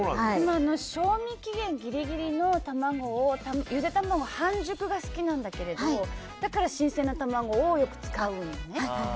賞味期限ギリギリの卵をゆで卵、半熟が好きなんだけどだから新鮮な卵をよく使うのね。